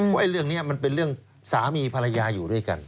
ว่าเรื่องนี้มันเป็นเรื่องสามีภรรยาอยู่ด้วยกัน